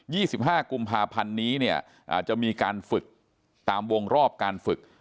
๒๕กุมภาพันธ์นี้เนี่ยอ่าจะมีการฝึกตามวงรอบการฝึก